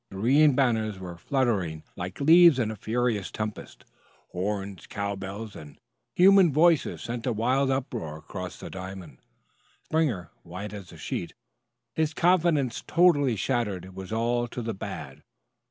The green banners were fluttering like leaves in a furious tempest; horns, cowbells and human voices sent a wild uproar across the diamond; Springer, white as a sheet, his confidence totally shattered, was all to the bad.